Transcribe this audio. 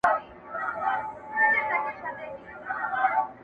لېونی نه یمه هوښیار یمه رقیب پیژنم،